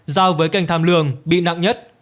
giao với kênh tham lường bị nặng nhất